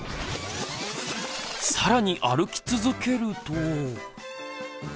更に歩き続けると。